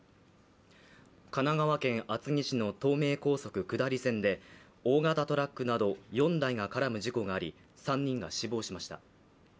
神奈川県厚木市の東名高速道路下り線で大型トラックなど４台が絡む事故があり、３人が死亡しました。